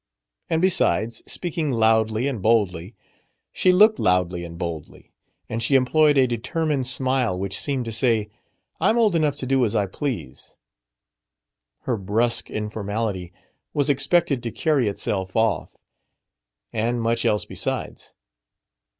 And besides speaking loudly and boldly, she looked loudly and boldly; and she employed a determined smile which seemed to say, "I'm old enough to do as I please." Her brusque informality was expected to carry itself off and much else besides.